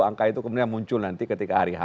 angka itu kemudian muncul nanti ketika hari h